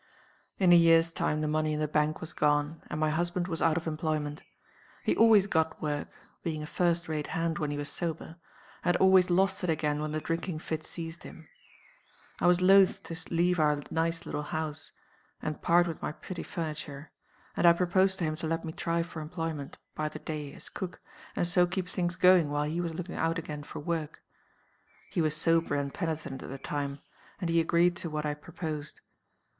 "In a year's time the money in the bank was gone; and my husband was out of employment. He always got work being a first rate hand when he was sober and always lost it again when the drinking fit seized him. I was loth to leave our nice little house, and part with my pretty furniture; and I proposed to him to let me try for employment, by the day, as cook, and so keep things going while he was looking out again for work. He was sober and penitent at the time; and he agreed to what I proposed.